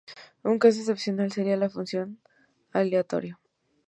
Un caso excepcional sería la función aleatorio.